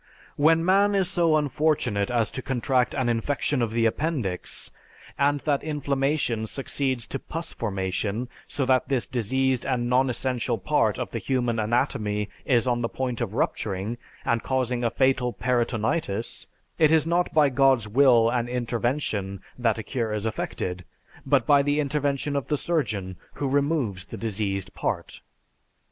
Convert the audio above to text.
When man is so unfortunate as to contract an infection of the appendix, and that inflammation succeeds to pus formation so that this diseased and non essential part of the human anatomy is on the point of rupturing and causing a fatal peritonitis, it is not by God's will and intervention that a cure is effected, but by the intervention of the surgeon who removes the diseased part.